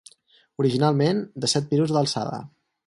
Originalment de set pisos d'alçada.